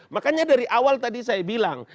makanya dari awal tadi saya bilang